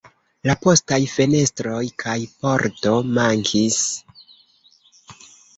La postaj fenestroj kaj pordo mankis.